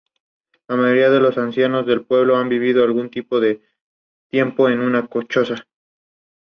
El "Banquete" es una importante fuente de recetas de cocina en griego clásico.